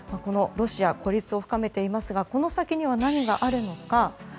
ロシア孤立を深めていますがこの先には何があるのか。